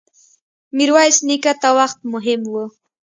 ميرويس نيکه ته وخت مهم و.